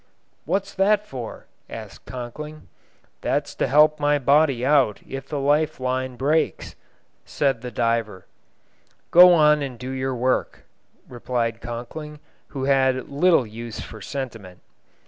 "What's that for?" asked Conkling. "That's to help get my body out, if the life line breaks," said the diver. "Go on and do your work," replied Conkling, who had little use for sentiment.